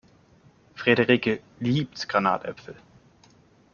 Frederike liebt Granatäpfel.